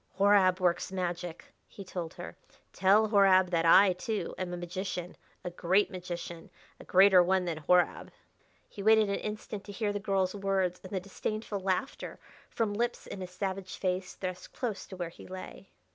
"Horab works magic," he told her. "Tell Horab that I, too, am a magician a great magician a greater one than Horab." He waited an instant to hear the girl's words and the disdainful laughter from lips in a savage face thrust close to where he lay.